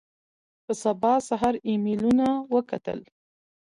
په سبا سهار ایمېلونه وکتل.